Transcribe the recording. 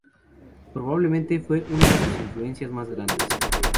Probablemente fue una de sus influencias más grandes.